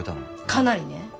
かなりね。